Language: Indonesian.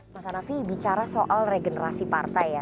mas hanafi bicara soal regenerasi partai ya